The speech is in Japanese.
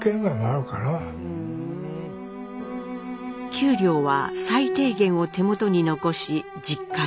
給料は最低限を手元に残し実家へ。